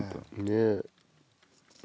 ねえ。